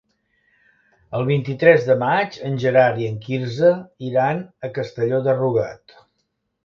El vint-i-tres de maig en Gerard i en Quirze iran a Castelló de Rugat.